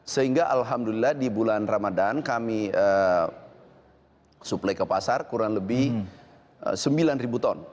sehingga alhamdulillah di bulan ramadan kami suplai ke pasar kurang lebih sembilan ribu ton